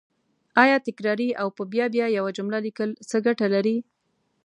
آیا تکراري او په بیا بیا یوه جمله لیکل څه ګټه لري